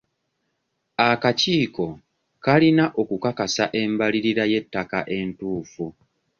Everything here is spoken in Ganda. Akakiiko kalina okukakasa embalirira y'ettaka entuufu.